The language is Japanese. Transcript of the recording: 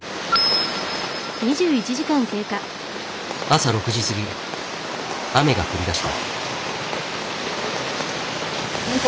朝６時過ぎ雨が降りだした。